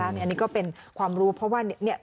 อันนี้ก็เป็นความรู้เพราะว่าเนี่ย